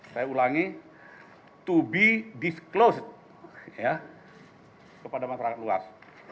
saya ulangi to be disclosed kepada masyarakat luas